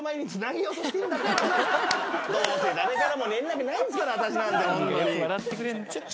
どうせ誰からも連絡ないんですから私なんてほんとに。